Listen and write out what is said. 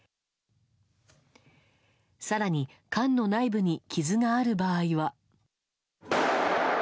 更に、缶の内部に傷がある場合は。